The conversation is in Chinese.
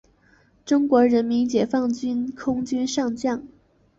中国人民解放军空军上将。